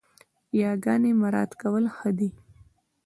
ياګاني مراعتول ښه دي